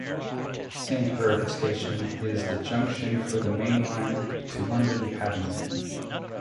Saint Erth station is the junction for the main line to London Paddington.